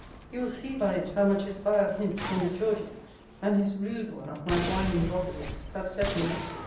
You will see by it how much his vile hint from the Georgic; and his rude one of my whining vocatives, have set me up.